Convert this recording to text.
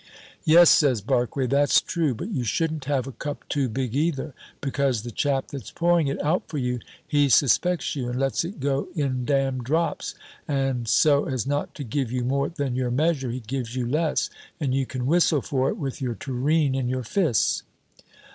"Yes," says Barque, "that's true; but you shouldn't have a cup too big either, because the chap that's pouring it out for you, he suspects you, and let's it go in damned drops, and so as not to give you more than your measure he gives you less, and you can whistle for it, with your tureen in your fists."